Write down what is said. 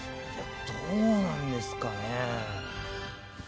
どうなんですかね。